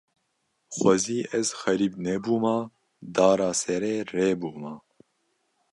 Xwezî ez xerîb nebûma, dara serê rê bûma